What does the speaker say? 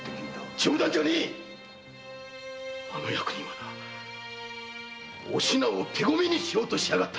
冗談じゃねぇあの役人はお品を手ごめにしようとしやがったんだ。